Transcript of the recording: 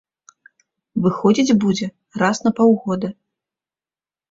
Выходзіць будзе раз на паўгода.